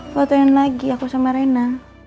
fotoin lagi aku sama rena